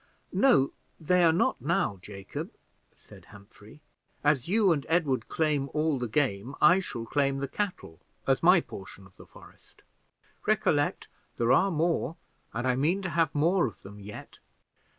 "No, they are not now, Jacob," said Humphrey; "as you and Edward claim all the game, I shall claim the cattle as my portion of the forest. Recollect, there are more, and I mean to have more of them yet."